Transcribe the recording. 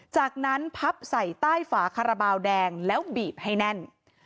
จากนั้นพับใส่ใต้ฝาคาราบาลแดงแล้วบีบให้แน่น